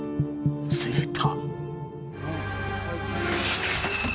すると。